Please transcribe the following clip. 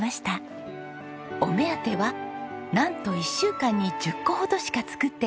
お目当てはなんと１週間に１０個ほどしか作っていない